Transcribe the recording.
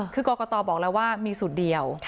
คือกรกตบอกแล้วว่ามีสูตรเดียว